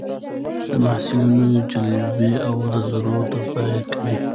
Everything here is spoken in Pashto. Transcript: ب : د مصلحتونو جلبول او د ضرر دفعه کول